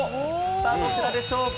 さあ、どちらでしょうか。